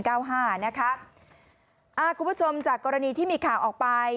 คุณผู้ชมจากกรณีที่มีข่าวออกไป